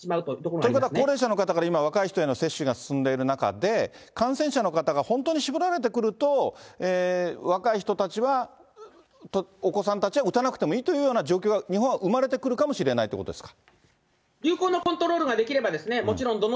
ということは高齢者の方から今、若い人への接種が進んでいる中で、感染者の方が本当に絞られてくると、若い人たちは、お子さんたちは打たなくてもいいというような状況が、日本は生まれてくるかもしれないということですか。